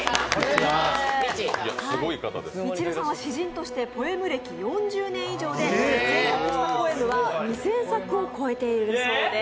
みちるさんは詩人としてポエム歴４０年以上で制作したポエムは２０００作を超えているそうです。